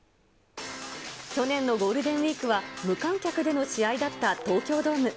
去年のゴールデンウィークは無観客での試合だった東京ドーム。